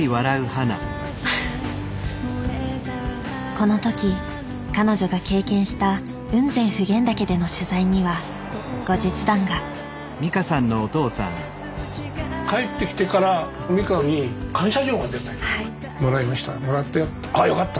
この時彼女が経験した雲仙普賢岳での取材には後日談が「もらいました。